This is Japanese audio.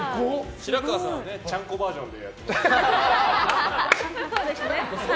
白河さんはちゃんこバージョンで。